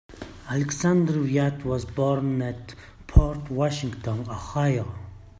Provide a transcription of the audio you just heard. Alexander Wyant was born at Port Washington, Ohio.